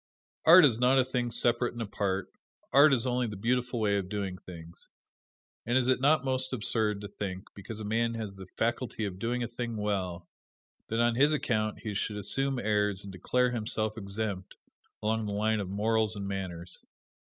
Art is not a thing separate and apart art is only the beautiful way of doing things. And is it not most absurd to think, because a man has the faculty of doing a thing well, that on this account he should assume airs and declare himself exempt along the line of morals and manners?